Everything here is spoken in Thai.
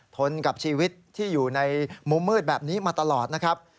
ทนกับชีวิตที่อยู่ในมุมมืดแบบนี้มาตลอดนะครับ